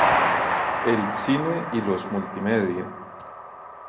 El cine y los multimedia.